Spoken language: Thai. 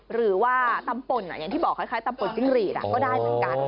หรือว่าตำป่นอย่างที่บอกคล้ายตำป่นจิ้งหรีดก็ได้เหมือนกัน